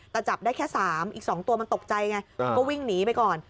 แต่จับได้แค่๓อีก๒ตัวมันตกใจไงก็วิ่งหนีไปก่อน